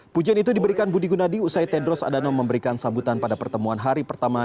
pujian itu diberikan budi gunadi usai tedros adano memberikan sambutan pada pertemuan hari pertama